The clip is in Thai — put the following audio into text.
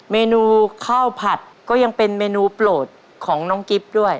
เมนูข้าวผัดก็ยังเป็นเมนูโปรดของน้องกิ๊บด้วย